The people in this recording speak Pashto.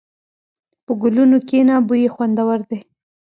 په ګلونو کښېنه، بوی یې خوندور دی.